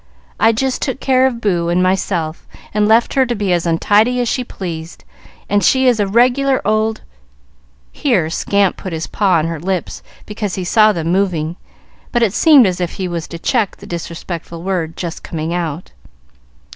I just took care of Boo and myself, and left her to be as untidy as she pleased, and she is a regular old " Here Scamp put his paw on her lips because he saw them moving, but it seemed as if it was to check the disrespectful word just coming out.